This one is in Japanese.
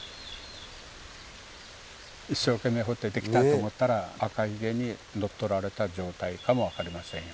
一生懸命掘ってできたと思ったらアカヒゲに乗っ取られた状態かも分かりませんよ。